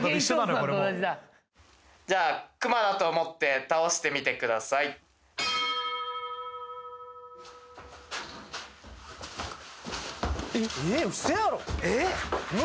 これもうじゃあ熊だと思って倒してみてくださいええー